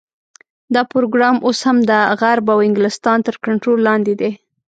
دا پروګرام اوس هم د غرب او انګلستان تر کنټرول لاندې دی.